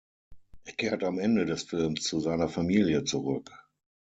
Er kehrt am Ende des Films zu seiner Familie zurück.